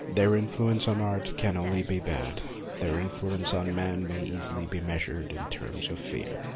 Their influence on art can only be bad ; their influence on man may easily be measured in terms of fear.